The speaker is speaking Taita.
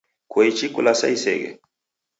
Kwaichi kulasa iseghe?